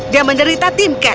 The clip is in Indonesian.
dia menderita timcat